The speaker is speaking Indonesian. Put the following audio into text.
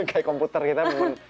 kayak komputer kita